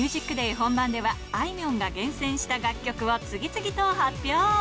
本番では、あいみょんが厳選した楽曲を次々と発表。